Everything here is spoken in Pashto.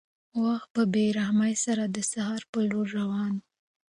وخت په بې رحمۍ سره د سهار په لور روان و.